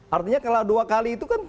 artinya kalau dua kali itu kan